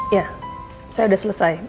ya saya sudah selesai